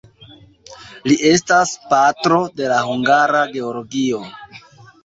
Li estas "patro" de la hungara geologio.